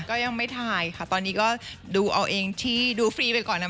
ก็ยังไม่ถ่ายค่ะตอนนี้ก็ดูเอาเองที่ดูฟรีไปก่อนนะ